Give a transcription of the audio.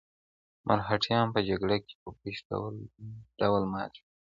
مرهټیان په جګړه کې په بشپړ ډول مات شول.